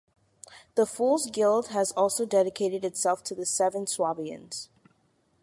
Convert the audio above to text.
The fools' guild has also dedicated itself to the Seven Swabians.